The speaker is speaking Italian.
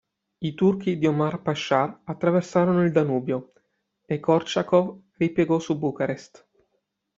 I turchi di Omar Pascià attraversarono il Danubio e Gorčakov ripiegò su Bucarest.